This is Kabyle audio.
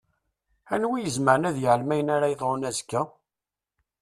Anwa i izemren ad iɛlem ayen ara yeḍṛun azekka?